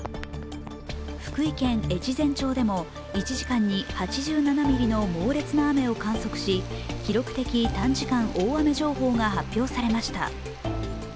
福井県越前町でも１時間に８７ミリの猛烈な雨を観測し記録的短時間大雨情報が発表されました。